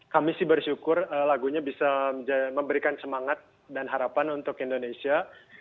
kami sih bersyukur lagunya bisa memberikan semangat dan harapan untuk indonesia